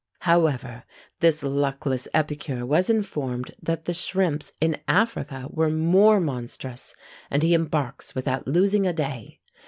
However, this luckless epicure was informed that the shrimps in Africa were more monstrous; and he embarks without losing a day.